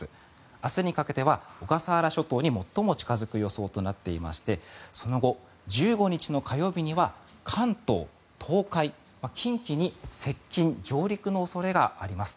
明日にかけては小笠原諸島に最も近付く予想となっていましてその後、１５日の火曜日には関東、東海、近畿に接近・上陸の恐れがあります。